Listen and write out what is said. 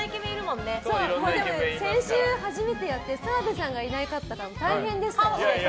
でも先週初めてやって澤部さんがいなかったから大変でしたよ。